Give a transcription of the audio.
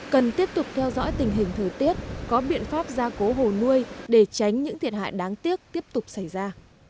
cần tiếp tục theo dõi tình hình thời tiết có biện pháp gia cố hồ nuôi để tránh những thiệt hại đáng tiếc tiếp tục xảy ra